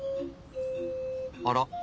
あら？